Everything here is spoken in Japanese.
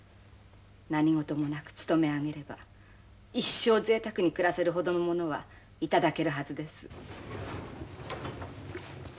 何事もなくつとめあげれば一生ぜいたくに暮らせるほどのものは頂けるはずです。